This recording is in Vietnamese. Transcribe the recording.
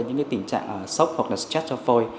những tình trạng sốc hoặc stress cho phôi